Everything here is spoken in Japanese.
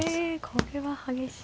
これは激しい。